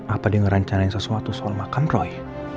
apa dia ngerancanain sesuatu soal mekang ruy